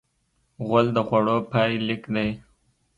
غول د خوړو پای لیک دی.